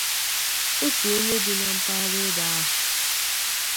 otu onye bi na mpaghara ebe ahụ